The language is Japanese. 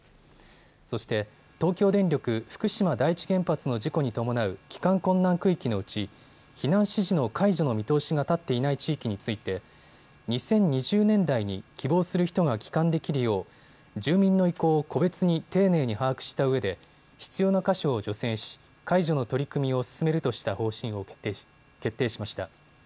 そして東京電力福島第一原発の事故に伴う帰還困難区域のうち避難指示の解除の見通しが立っていない地域について２０２０年代に希望する人が帰還できるよう住民の意向を個別に丁寧に把握したうえで必要な箇所を除染し解除の取り組みを進めるとした方針を決定しました。